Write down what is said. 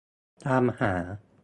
ตามหา